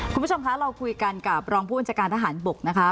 คุณผู้ชมคะเราคุยกันกับรองผู้บัญชาการทหารบกนะคะ